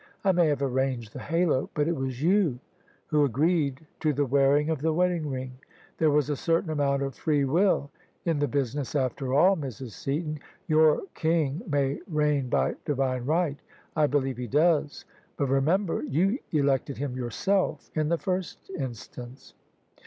I may have arranged the halo; but it was you who agreed to the wearing of the wedding ring. There was a certain amount of free will in the business after all, Mrs. Seaton. Your king may reign by divine right: I believe he does; but remember you elected him yourself in the first instance."